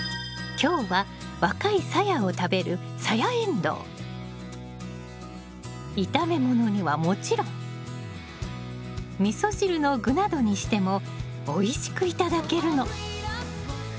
今日は若いサヤを食べる炒め物にはもちろんみそ汁の具などにしてもおいしく頂けるの。